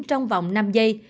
trong vòng năm giây